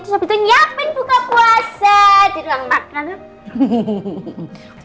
terus habis itu nyiapin buka puasa di ruang makan